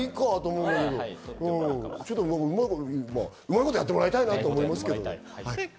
うまいことやってもらいたいなと思いますけどね。